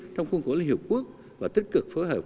trong khuôn khổ liên hiệp quốc và tích cực phối hợp